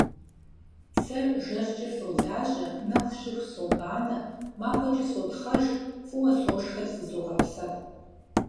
Сэ жэщкӀэ солажьэ, нэху щыху собанэ, махуэкӀэ сотхъэж, фӀыуэ сошхэри зызогъэпсэху.